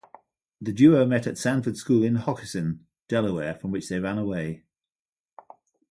The duo met at Sanford School in Hockessin, Delaware, from which they ran away.